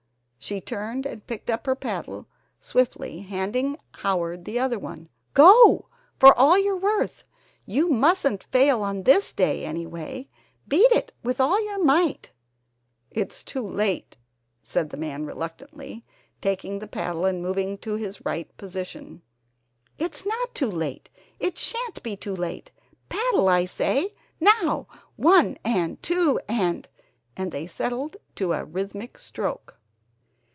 she turned and picked up her paddle swiftly, handing Howard the other one. "Go! For all your worth! You mustn't fail on this day anyway! Beat it with all your might!" "It's too late!" said the man reluctantly, taking the paddle and moving to his right position. "It's not too late. It shan't be too late! Paddle, I say, now, ONE and TWO and !" And they settled to a rhythmic stroke.